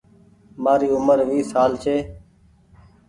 مآري اومر ويس سال ڇي۔